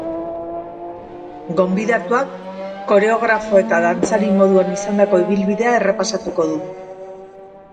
Gonbidatuak koreografo eta dantzari moduan izandako ibilbidea errepasatuko du.